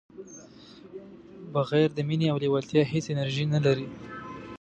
بغیر د مینې او لیوالتیا هیڅ انرژي نه لرئ.